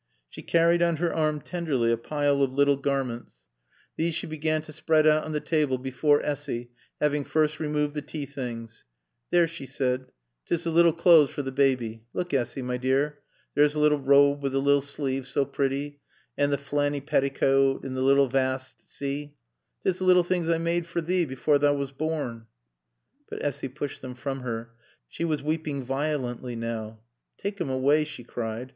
She carried on her arm tenderly a pile of little garments. These she began to spread out on the table before Essy, having first removed the tea things. "There!" she said. "'Tis the lil cleathes fer t' baaby. Look, Assy, my deear there's t' lil rawb, wi' t' lil slaves, so pretty an' t' flanny petticut an' t' lil vasst see. 'Tis t' lil things I maade fer 'ee afore tha was born." But Essy pushed them from her. She was weeping violently now. "Taake 'em away!" she cried.